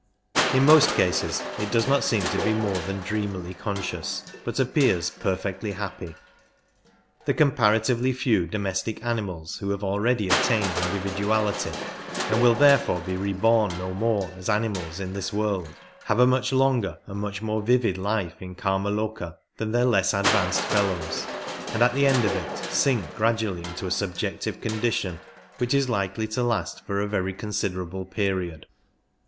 In most cases it does not seem to be more than dreamily conscious, but appears perfectly happy. The comparatively few domestic animals who have already attained individu ality, and will therefore be reborn no more as animals in this world, have a much longer and much more vivid life in Kimaloka than their less advanced fellows, and at the end of it sink gradually into a subjective condition, which is likely to last for a very considerable period.